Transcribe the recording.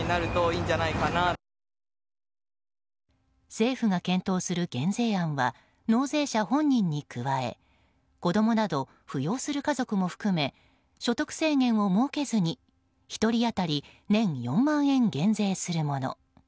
政府が検討する減税案は納税者本人に加え子供など扶養する家族も含め所得制限を設けずに１人当たり年４万円減税するもの。